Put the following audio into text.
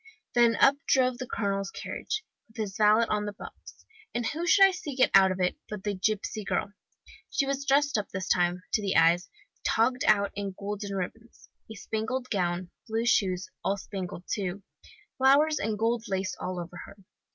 Then up drove the colonel's carriage, with his valet on the box. And who should I see get out of it, but the gipsy girl! She was dressed up, this time, to the eyes, togged out in golden ribbons a spangled gown, blue shoes, all spangled too, flowers and gold lace all over her.